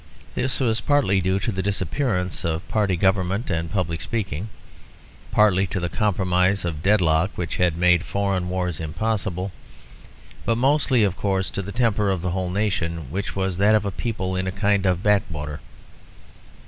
This was partly due to the disappearance of party government and public speaking, partly to the compromise or dead lock which had made foreign wars impossible, but mostly, of course, to the temper of the whole nation which was that of a people in a kind of back water.